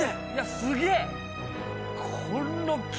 すげえ！